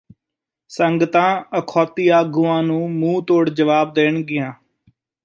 ਸੰਗਤਾਂ ਅਖੌਤੀ ਆਗੂਆਂ ਨੂੰ ਮੂੰਹ ਤੋੜ ਜਵਾਬ ਦੇਣਗੀਆਂ